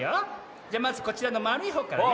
じゃまずこちらのまるいほうからね。